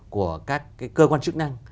của các cơ quan chức năng